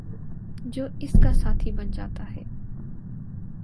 جو اس کا ساتھی بن جاتا ہے